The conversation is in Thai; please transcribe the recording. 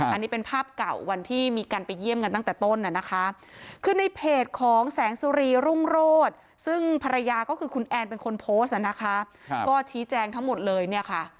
อันนี้เป็นภาพเก่าวันที่มีการไปเยี่ยมกันตั้งแต่ต้นนะคะคือในเพจของแสงสุรีรุ่งโรศซึ่งภรรยาก็คือคุณแอนเป็นคนโพสต์นะคะก็ชี้แจงทั้งหมดเลยเนี่ยค่ะ